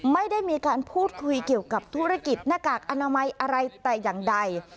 ไม่ได้มีการพูดคุยเกี่ยวกับธุรกิจหน้ากากอนามัยอะไรแต่อย่างใด